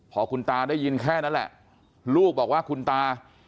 พอคุณตาได้ยินแค่นั้นแหละลูกบอกว่าคุณตา